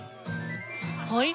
はい？